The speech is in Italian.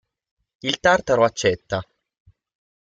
Il tartaro accetta.